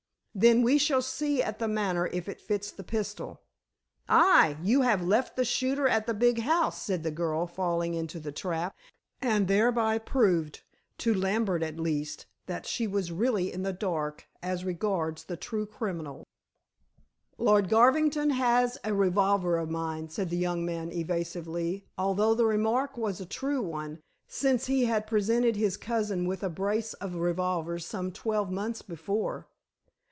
"Then we shall see at The Manor if it fits the pistol." "Hai! you have left the shooter at the big house," said the girl, falling into the trap, and thereby proved to Lambert at least that she was really in the dark as regards the true criminal. "Lord Garvington has a revolver of mine," said the young man evasively, although the remark was a true one, since he had presented his cousin with a brace of revolvers some twelve months before.